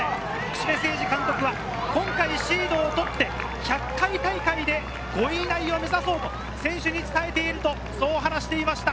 櫛部静二監督は今回シードを取って、１００回大会で５位以内を目指そうと選手に伝えていると話していました。